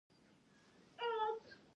هندوکش د افغانانو د ژوند طرز اغېزمنوي.